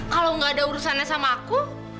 kalau gak ada urusannya sama aku